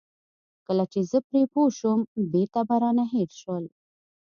کله چې زه پرې پوه شوم بېرته به رانه هېر شول.